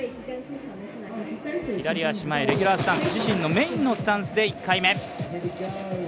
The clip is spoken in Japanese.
左足前、レギュラースタンス、自身のメインのスタンスで１回目。